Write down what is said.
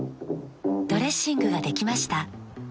ドレッシングができました。